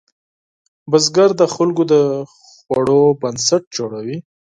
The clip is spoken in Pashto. بزګر د خلکو د خوړو بنسټ جوړوي